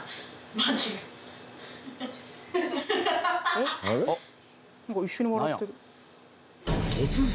「なんか一緒に笑ってる」